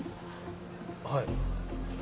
はい。